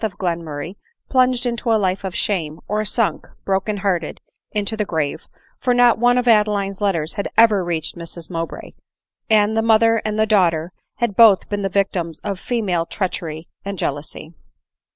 of Glenmurray, plunged into a life of shame, or sunk, broken hearted, into the grave ! for not one of Adeline's letters had ever reached Mrs Mowbray ; and die mother and the daughter had botb been the victims of female treachery and jealousy.